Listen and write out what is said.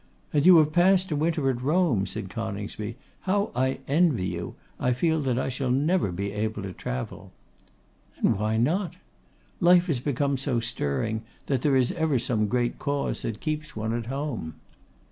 'And you have passed a winter at Rome,' said Coningsby. 'How I envy you! I feel that I shall never be able to travel.' 'And why not?' 'Life has become so stirring, that there is ever some great cause that keeps one at home.